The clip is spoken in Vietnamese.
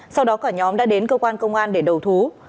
sau đó cả nhóm đã đến cơ quan công an để đầu thú